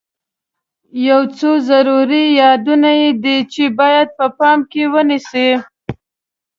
یو څو ضروري یادونې دي چې باید په پام کې ونیسئ.